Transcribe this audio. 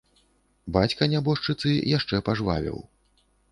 Бацька нябожчыцы яшчэ пажвавеў.